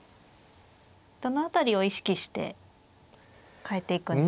どの辺りを意識して変えていくんでしょうか。